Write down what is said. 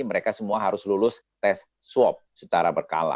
mereka semua harus lulus tes swab secara berkala